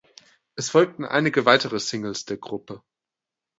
Es folgten einige weitere Singles der Gruppe.